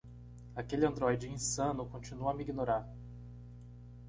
Aquele androide insano continua a me ignorar.